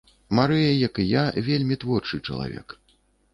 Марыя, як і я, вельмі творчы чалавек.